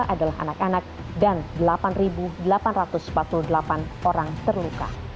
tiga ratus delapan puluh dua adalah anak anak dan delapan delapan ratus empat puluh delapan orang terluka